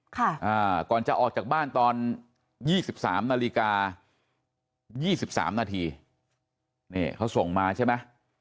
คืนนี้ค่ะก่อนจะออกจากบ้านตอน๒๓นาฬิกา๒๓นาทีเขาส่งมาใช่ไหม